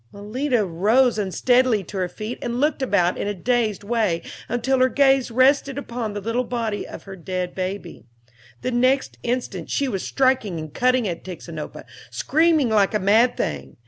Malita rose unsteadily to her feet and looked about in a dazed way until her gaze rested upon the little body of her dead baby; the next instant she was striking and cutting at Tixinopa, screaming like a mad thing.